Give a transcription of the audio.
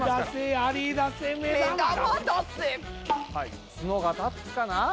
ツノが立つかな？